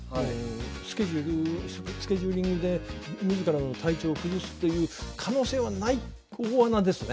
スケジュールスケジューリングで自らの体調を崩すという可能性はない大穴。